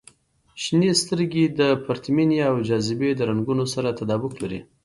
• شنې سترګې د پرتمینې او جاذبې د رنګونو سره تطابق لري.